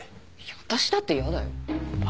私だって嫌だよ。